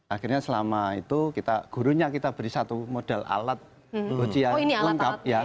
akhirnya selama itu gurunya kita beri satu modal alat ujian lengkap ya